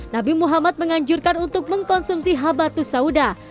nabi muhammad menganjurkan untuk mengkonsumsi habatus sauda